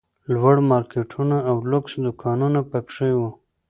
لوړ مارکېټونه او لوکس دوکانونه پکښې وو.